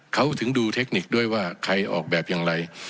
เขาถึงดูเทคนิคด้วยว่าใครออกแบบอย่างไร